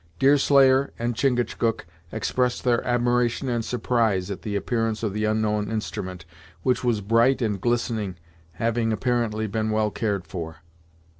Deerslayer and Chingachgook expressed their admiration and surprise at the appearance of the unknown instrument, which was bright and glittering, having apparently been well cared for.